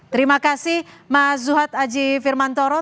terima kasih mas zuhad aji firmantoro